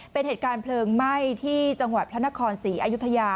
เป็นเหตุการณ์เพลิงไหม้ที่จังหวัดพระนครศรีอยุธยา